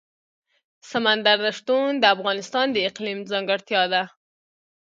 سمندر نه شتون د افغانستان د اقلیم ځانګړتیا ده.